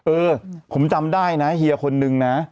เออผมจำได้นะเฮียคนนึงนะ